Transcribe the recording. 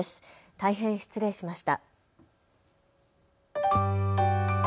大変失礼しました。